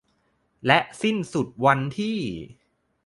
และสิ้นสุดวันที่